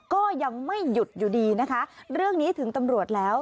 ก็ยังไม่หยุดอยู่ดีนะคะเรื่องนี้ถึงตำรวจแล้ว